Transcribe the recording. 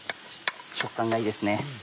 食感がいいですね。